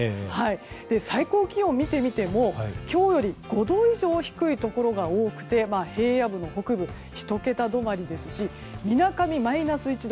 最高気温、見てみても今日より５度以上低いところが多くて平野部の北部１桁止まりですしみなかみ、マイナス１度。